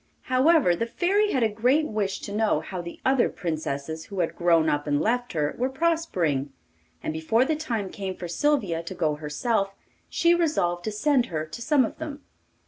However, the Fairy had a great wish to know how the other princesses who had grown up and left her, were prospering, and before the time came for Sylvia to go herself, she resolved to send her to some of them.